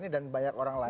dan banyak orang lain